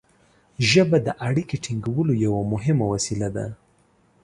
ژبه د اړیکې ټینګولو یوه مهمه وسیله ده.